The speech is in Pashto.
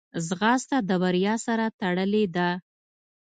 ځغاسته د بریا سره تړلې ده